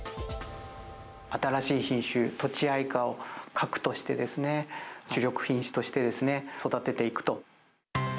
新しい品種、とちあいかを核としてですね、主力品種として育てていくと。